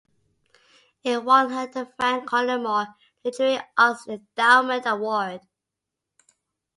It won her the Frank Collymore Literary Arts Endowment Award.